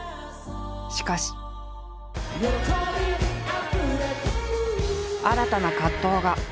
しかし新たな葛藤が芽生える。